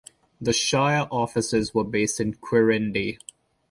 The shire offices were based in Quirindi.